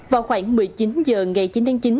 vào khoảng một mươi chín h ngày chín tháng chín